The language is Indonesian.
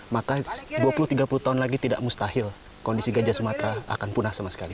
maka dua puluh tiga puluh tahun lagi tidak mustahil kondisi gajah sumatera akan punah sama sekali